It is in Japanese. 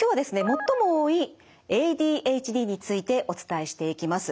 最も多いＡＤＨＤについてお伝えしていきます。